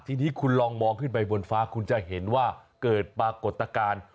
ทีนี้คุณลองมองขึ้นไปบนฟ้าคุณจะเห็นว่าเกิดปรากฏการณ์